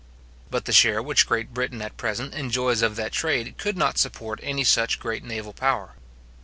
But the share which Great Britain at present enjoys of that trade could not support any such great naval power.